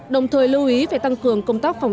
đồng thời lưu ý phải tăng cường công tác phòng